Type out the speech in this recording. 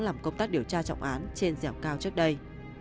làm công tác điều tra trọng án trên dẻo cao trước đây